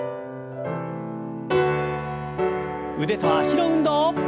腕と脚の運動。